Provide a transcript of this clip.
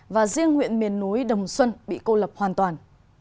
và riêng huyện miền núi đồng xuân bị cô lập hoàn toàn